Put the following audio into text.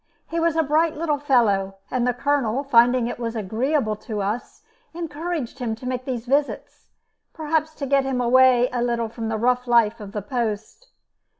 He was a bright little fellow, and the Colonel, finding it was agreeable to us, encouraged him to make these visits, perhaps to get him away a little from the rough life of the post.